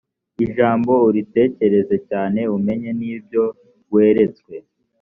ijambo uritekereze cyane umenye n’ibyo weretswe